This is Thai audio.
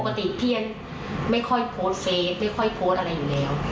ปกติเพียงไม่ค่อยโพสเฟสไม่ค่อยโพสอะไรอยู่แล้ว